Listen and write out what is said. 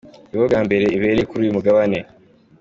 Ni bwo bwa mbere ibereye kuri uyu mugabane.